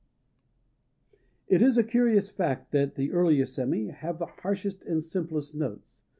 It is a curious fact that the earlier sémi have the harshest and simplest notes.